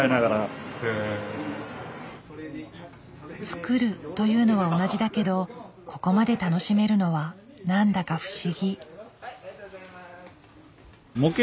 「作る」というのは同じだけどここまで楽しめるのは何だか不思議。